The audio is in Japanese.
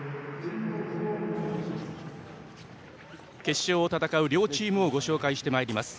決勝を戦う両チームをご紹介してまいります。